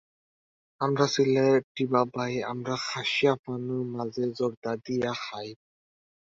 বিশ্বকাপের ঠিক আগেই এই লাইন খোলা হয়েছিল।